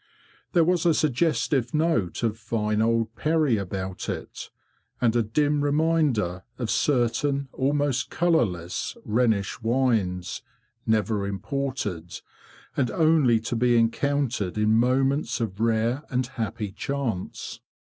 There was a sugges tive note of fine old perry about it, and a dim reminder of certain almost colourless Rhenish wines, never imported, and only to be encountered in moments of rare and happy chance.